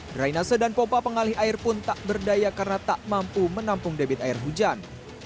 drainase dan pompa pengalih air pun tak berdaya karena tak mampu menampung debit air hujan